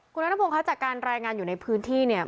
คุณนัทพงศ์คะจากการรายงานอยู่ในพื้นที่เนี่ย